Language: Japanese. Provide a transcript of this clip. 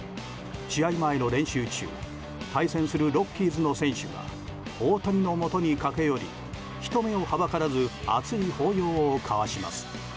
試合前の練習中対戦するロッキーズの選手が大谷のもとに駆け寄り人目をはばからず熱い抱擁を交わします。